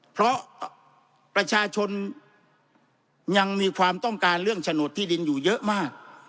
เพราะประชาชนยังมีความต้องการเรื่องโฉนดที่ดินอยู่เยอะมาก